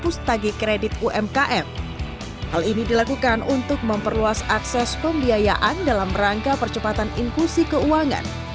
sebesar tiga puluh persen